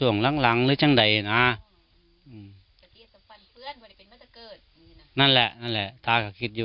นั่นแหละนั่นแหละตาก็คิดอยู่